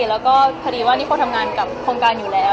แล้วก็พอดีว่านิโคทำงานกับโครงการอยู่แล้ว